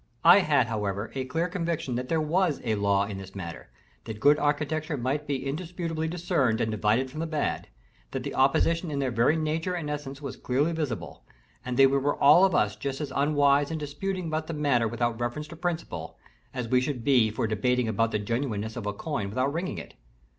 I had always, however, a clear conviction that there was a law in this matter: that good architecture might be indisputably discerned and divided from the bad; that the opposition in their very nature and essence was clearly visible; and that we were all of us just as unwise in disputing about the matter without reference to principle, as we should be for debating about the genuineness of a coin, without ringing it.